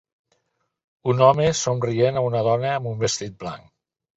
Un home somrient a una dona amb un vestit blanc.